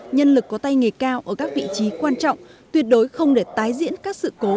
nhân lực có tay nghề cao ở các vị trí quan trọng tuyệt đối không để tái diễn các sự cố